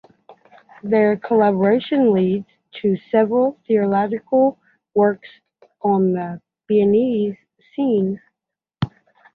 Their collaboration leads to several theatrical works on the Beninese scene.